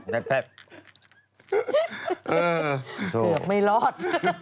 เดี๋ยวไม่รอด